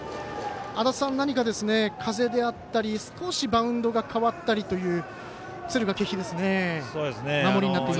足達さん、何か風であったり少しバウンドが変わったりという敦賀気比の守り。